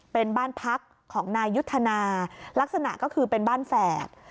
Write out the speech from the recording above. เป็นบ้านพักของนายยุทธนาลักษณะก็คือเป็นบ้านแฝด